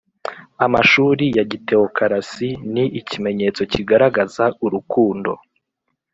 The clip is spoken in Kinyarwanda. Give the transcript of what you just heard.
Amashuri ya gitewokarasi Ni ikimenyetso kigaragaza urukundo